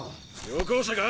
旅行者か？